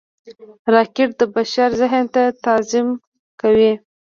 راکټ د بشر ذهن ته تعظیم کوي